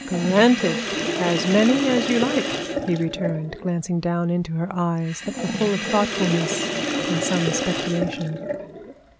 "Granted; as many as you like," he returned, glancing down into her eyes that were full of thoughtfulness and some speculation.